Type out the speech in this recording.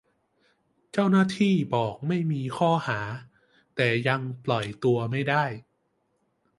เจ้าหน้าที่บอกไม่มีข้อหา-แต่ยังปล่อยตัวไม่ได้